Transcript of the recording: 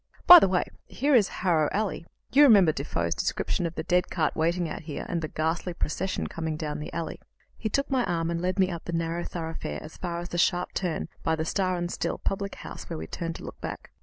By the way, here is Harrow Alley; you remember Defoe's description of the dead cart waiting out here, and the ghastly procession coming down the alley." He took my arm and led me up the narrow thoroughfare as far as the sharp turn by the "Star and Still" public house, where we turned to look back.